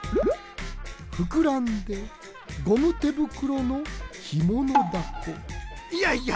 ふくらんでゴム手袋のひものだこいやいや！